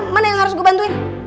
mana yang harus gue bantuin